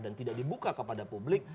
tidak dibuka kepada publik